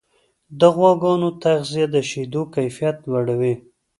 د غواګانو تغذیه د شیدو کیفیت لوړوي.